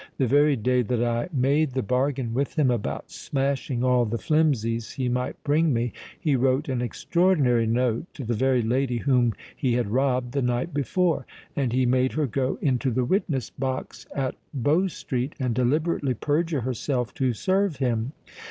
The very day that I made the bargain with him about smashing all the flimsies he might bring me, he wrote an extraordinary note to the very lady whom he had robbed the night before; and he made her go into the witness box at Bow Street and deliberately perjure herself to serve him.